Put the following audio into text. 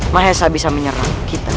mahesha bisa menyerang kita